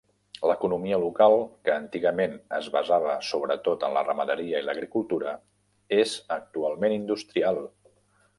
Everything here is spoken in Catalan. L'economia local, que antigament es basava sobretot en la ramaderia i l'agricultura, és actualment industrial.